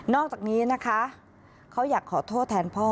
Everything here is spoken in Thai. อกจากนี้นะคะเขาอยากขอโทษแทนพ่อ